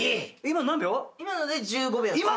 今ので１５秒ですね。